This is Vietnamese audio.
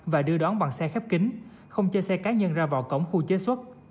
và đưa đón bằng xe khép kính không cho xe cá nhân ra vào cổng khu chế xuất